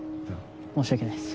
申し訳ないです。